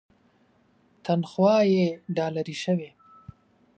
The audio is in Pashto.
تنخوا یې ډالري شوې.